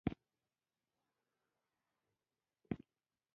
غرمه د دعا د قبولو ساعت دی